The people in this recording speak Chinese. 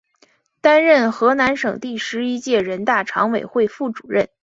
担任河南省第十一届人大常委会副主任。